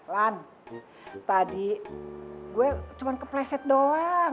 lan tadi gue cuma kepleset doang